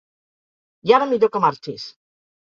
I ara millor que marxis!